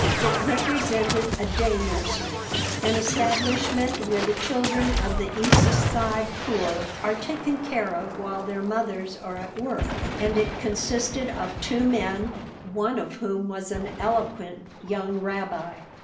It represented a day nursery, an establishment where the children of the East Side poor are taken care of while their mothers are at work, and it consisted of two men, one of whom was an eloquent young rabbi.